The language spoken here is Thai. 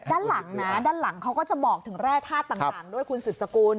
ด้านหลังนะด้านหลังเขาก็จะบอกถึงแร่ธาตุต่างด้วยคุณสืบสกุล